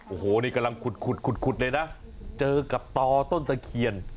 โอ้โหนี่กำลังขุดขุดเลยนะเจอกับต่อต้นตะเคียน